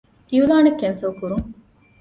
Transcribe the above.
އިޢުލާނެއް ކެންސަލް ކުރުން